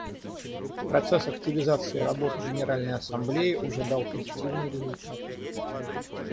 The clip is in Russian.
Процесс активизации работы Генеральной Ассамблеи уже дал позитивные результаты.